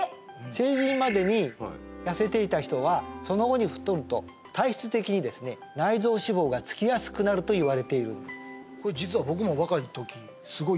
成人までに痩せていた人はその後に太ると体質的にですね内臓脂肪がつきやすくなるといわれているんです